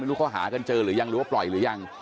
รู้เขาหากันเจอหรือยังหรือว่าปล่อยหรือยัง